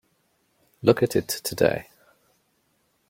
Look at it today.